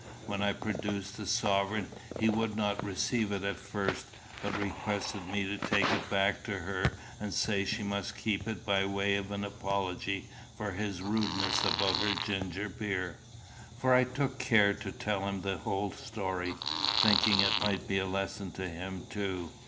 When I produced the sovereign he would not receive it at first, but requested me to take it back to her and say she must keep it by way of an apology for his rudeness about her ginger beer; for I took care to tell him the whole story, thinking it might be a lesson to him too.